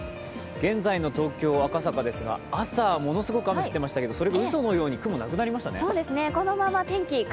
現在の東京・赤坂ですが、朝、ものすごく雨降っていましたけどそれがうそのように雲がなくなりましたね。